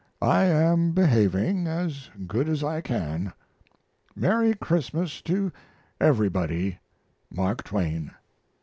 I am behaving as good as I can. Merry Christmas to everybody! MARK TWAIN.